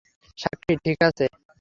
সাক্ষী, ঠিক আছে।